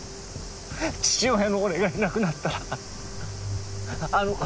父親の俺がいなくなったらあの子は。